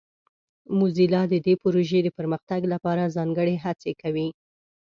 موزیلا د دې پروژې د پرمختګ لپاره ځانګړې هڅې کوي.